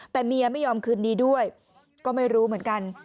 แต่เมียไม่ยอมคืนดีด้วยก็ไม่รู้เหมือนกัน